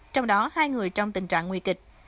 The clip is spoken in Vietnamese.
trong đó hai người trong tình trạng nguy kịch